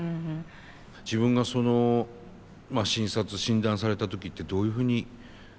自分がその診察診断された時ってどういうふうに思いました？